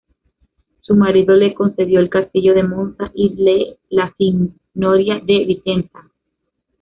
Su marido le concedió el castillo de Monza y de la Signoria de Vicenza.